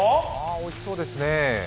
おいしそうですね。